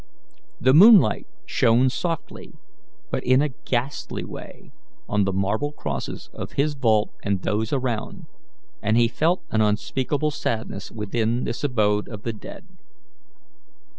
The moonlight shone softly, but in a ghastly way, on the marble crosses of his vault and those around, and he felt an unspeakable sadness within this abode of the dead.